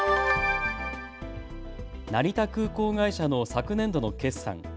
成田空港会社の昨年度の決算。